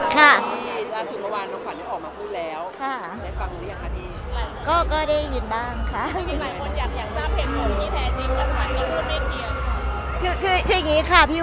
ค่ะพี่ถึงเมื่อวานน้องขวัญได้ออกมาพูดแล้วได้ฟังไหมอาทิตย์